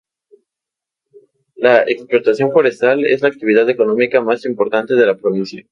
La explotación forestal es la actividad económica más importante de la provincia.